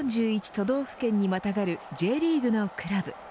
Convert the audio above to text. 都道府県に跨るＪリーグのクラブ。